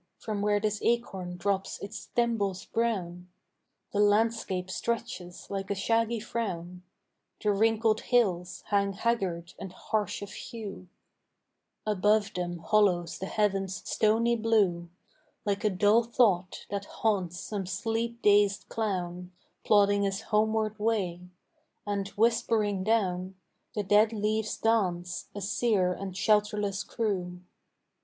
From where this acorn drops its thimbles brown The landscape stretches like a shaggy frown; The wrinkled hills hang haggard and harsh of hue: Above them hollows the heaven's stony blue, Like a dull thought that haunts some sleep dazed clown Plodding his homeward way; and, whispering down, The dead leaves dance, a sere and shelterless crew.